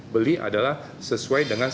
beli adalah sesuai dengan